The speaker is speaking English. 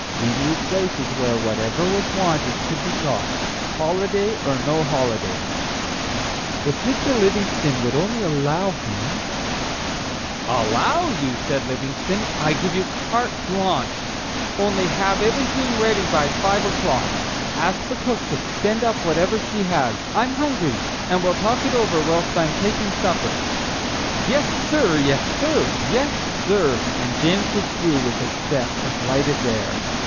He knew places where whatever was wanted could be got, holiday or no holiday, and, "If Mr. Livingstone would only allow him—?" "Allow you!" said Livingstone, "I give you carte blanche, only have everything ready by five o'clock.—Ask the cook to send up whatever she has; I'm hungry, and we'll talk it over whilst I'm taking supper." "Yes, sir; yes, sir; yes, sir;" and James withdrew with a step as light as air.